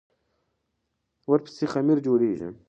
ورپسې خمیر جوړېږي.